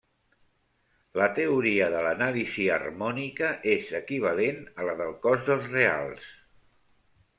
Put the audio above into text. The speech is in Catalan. La teoria de l'anàlisi harmònica és equivalent a la del cos dels reals.